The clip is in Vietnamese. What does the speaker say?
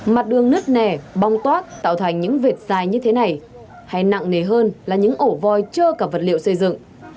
mặt đường nứt nẻ bong toát tạo thành những vệt dài như thế này hay nặng nề hơn là những ổ voi trơ cả vật liệu xây dựng